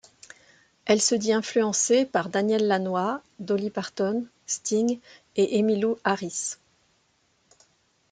Elle se dit influencée par Daniel Lanois, Dolly Parton, Sting et Emmylou Harris.